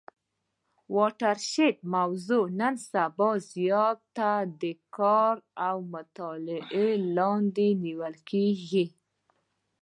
واټر شید موضوع نن سبا زیاته د کار او مطالعې لاندي نیول کیږي.